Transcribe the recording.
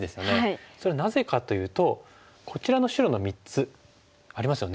それはなぜかというとこちらの白の３つありますよね。